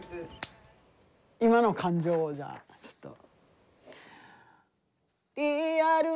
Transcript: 今の感情をじゃあちょっと。